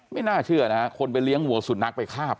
ไม่น่าเชื่อนะฮะคนไปเลี้ยงวัวสุนัขไปคาบ